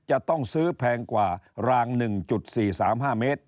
จะต้องซื้อแพงกว่าราง๑๔๓๕เมตร